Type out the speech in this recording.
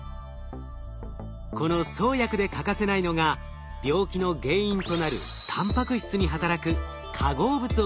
この創薬で欠かせないのが病気の原因となるたんぱく質に働く化合物を見つけることです。